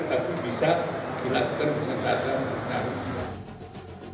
tapi bisa dilakukan penyelenggaraan